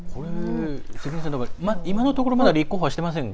今のところまだ立候補はしていませんが。